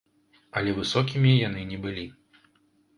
Але высокімі яны не былі.